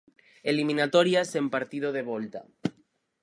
Eliminatoria sen partido de volta.